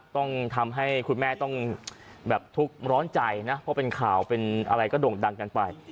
ต้องทำให้คุณแม่ต้องแบบทุกข์ร้อนใจนะเพราะเป็นข่าวเป็นอะไรก็โด่งดังกันไป